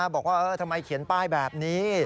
บอกว่าทำไมเขียนป้ายแบบนี้